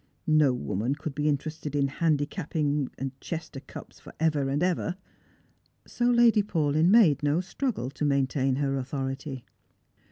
No woman could be interested in handicapping and Chester Cups for ever and ever. So Lady Paulyn made no struggle to maintain her authority.